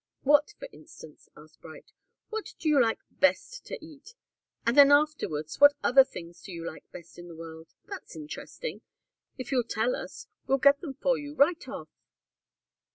"What, for instance?" asked Bright. "What do you like best to eat and then afterwards, what other things do you like best in the world? That's interesting. If you'll tell us, we'll get them for you right off."